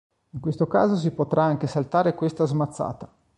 In questo caso si potrà anche saltare questa smazzata.